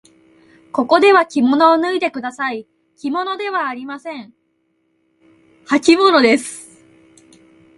ここではきものを脱いでください。きものではありません。はきものです。